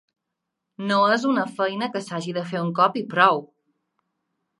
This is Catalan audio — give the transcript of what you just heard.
No és una feina que s’hagi de fer un cop i prou.